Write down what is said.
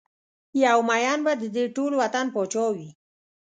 یو ميېن به ددې ټول وطن پاچا وي